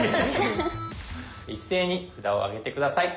一斉に札を上げて下さい。